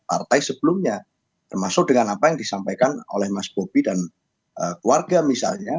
partai sebelumnya termasuk dengan apa yang disampaikan oleh mas bobi dan keluarga misalnya